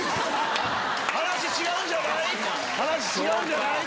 「話違うんじゃない？」。